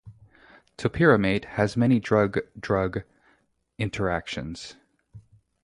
Topiramate has many drug-drug interactions.